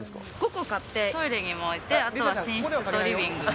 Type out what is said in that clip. ５個買って、トイレにも置いて、あとは寝室とリビングに。